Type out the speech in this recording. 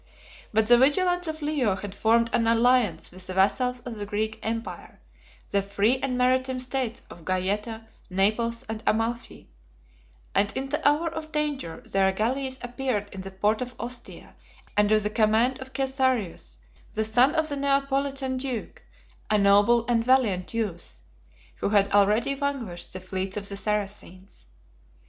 But the vigilance of Leo had formed an alliance with the vassals of the Greek empire, the free and maritime states of Gayeta, Naples, and Amalfi; and in the hour of danger, their galleys appeared in the port of Ostia under the command of Caesarius, the son of the Neapolitan duke, a noble and valiant youth, who had already vanquished the fleets of the Saracens.